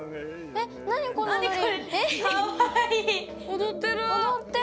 踊ってる。